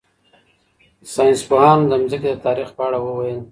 ساینس پوهانو د ځمکې د تاریخ په اړه وویل.